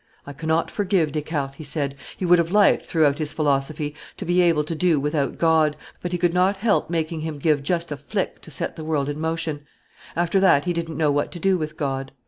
"I cannot forgive Descartes," he said; "he would have liked, throughout his philosophy, to be able to do without God, but he could not help making Him give just a flick to set the world in motion; after that he didn't know what to do with God."